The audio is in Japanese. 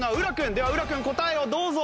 では浦君答えをどうぞ。